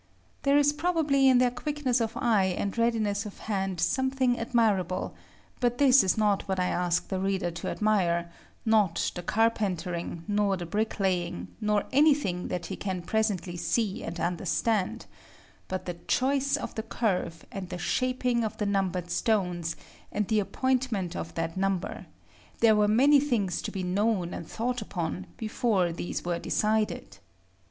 There is probably in their quickness of eye and readiness of hand something admirable; but this is not what I ask the reader to admire: not the carpentering, nor the bricklaying, nor anything that he can presently see and understand, but the choice of the curve, and the shaping of the numbered stones, and the appointment of that number; there were many things to be known and thought upon before these were decided.